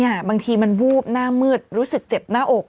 บางทีมันวูบหน้ามืดรู้สึกเจ็บหน้าอก